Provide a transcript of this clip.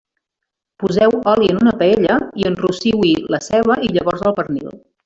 Poseu oli en una paella i enrossiu-hi la ceba i llavors el pernil.